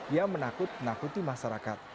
yang menakut nakuti masyarakat